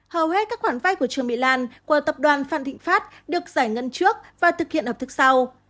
hầu hết các khoản vay của trương mỹ lan của tập đoàn phan thịnh pháp được giải ngân trước và thực hiện hợp thức sau